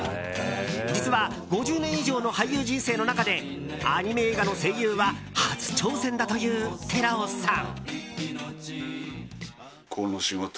実は５０年以上の俳優人生の中でアニメ映画の声優は初挑戦だという寺尾さん。